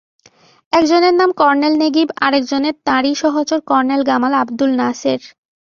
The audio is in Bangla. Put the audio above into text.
একজনের নাম কর্নেল নেগিব, আরেকজন তাঁরই সহচর কর্নেল গামাল আবদুল নাসের।